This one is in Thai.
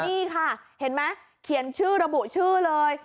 นี่ค่ะเห็นไหมเขียนชื่อระบุชื่อเลย